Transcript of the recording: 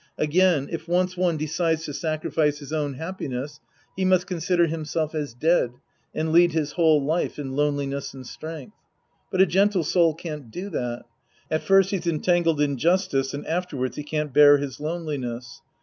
Again, if once one decides to sacrifice his own happiness, he must consider himself as dead and lead his whole life in loneliness and strength. But a gentle soul can't do that. At first he's entangled in justice, and after v/ards he can't bear his loneliness.